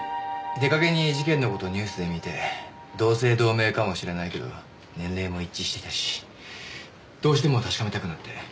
出がけに事件の事をニュースで見て同姓同名かもしれないけど年齢も一致していたしどうしても確かめたくなって。